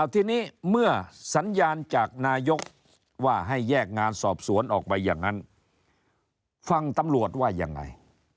ทีนี้เมื่อสัญญาณจากนายกว่าให้แยกงานสอบสวนออกไปอย่างนั้นฟังตำรวจว่ายังไง